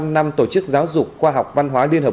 ba mươi năm năm tổ chức giáo dục khoa học văn hóa liên hợp